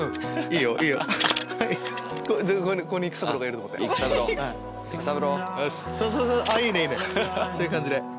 いいねそういう感じで。